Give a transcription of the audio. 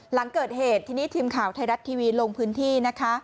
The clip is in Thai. หลังเกิดเหตุทีนี้ทีมข่าวไทยรัฐทีวีลงพื้นที่นะคะ